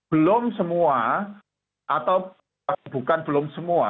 belum semua atau bukan belum semua